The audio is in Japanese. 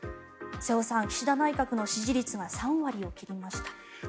瀬尾さん、岸田内閣の支持率が３割を切りました。